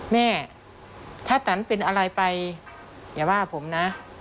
แม่ถ้าตันเป็นอะไรไปอย่าว่าผมนะ